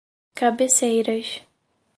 Cabeceiras